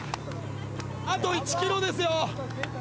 あと１ｋｍですよ。